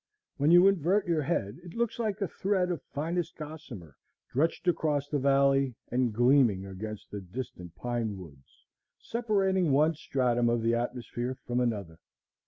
When you invert your head, it looks like a thread of finest gossamer stretched across the valley, and gleaming against the distant pine woods, separating one stratum of the atmosphere from another.